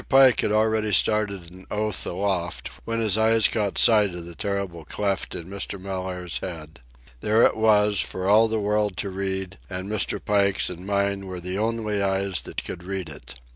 Pike had already started an oath aloft when his eyes caught sight of the terrible cleft in Mr. Mellaire's head. There it was, for all the world to read, and Mr. Pike's and mine were the only eyes that could read it.